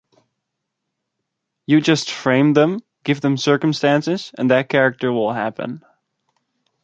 You just frame them, give them circumstances, and that character will happen.